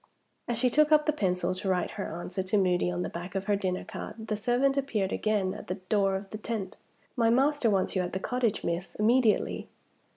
As she took up the pencil to write her answer to Moody on the back of her dinner card, the servant appeared again at the door of the tent. "My master wants you at the cottage, miss, immediately."